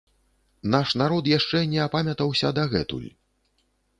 Наш народ яшчэ не апамятаўся дагэтуль.